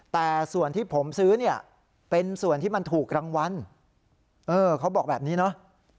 แต่ส่วนที่ผมซื้อเนี่ยเป็นส่วนที่มันถูกรางวัลเออเขาบอกแบบนี้เนาะ